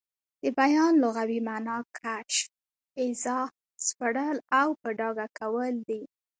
د بیان لغوي مانا کشف، ايضاح، سپړل او په ډاګه کول دي.